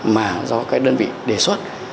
mà do các đơn vị đề xuất